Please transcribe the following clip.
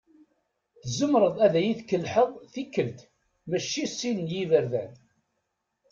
Tzemreḍ ad iyi-tkelḥeḍ tikkelt mačči sin n yiberdan.